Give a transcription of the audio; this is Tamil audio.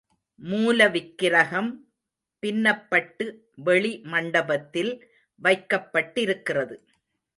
மூலவிக்கிரகம் பின்னப்பட்டு வெளி மண்டபத்தில் வைக்கப்பட்டிருக்கிறது.